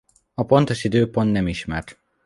A pontos időpont nem ismert.